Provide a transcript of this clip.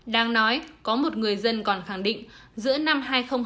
đang nói có một người dân còn khẳng định giữa năm hai nghìn hai mươi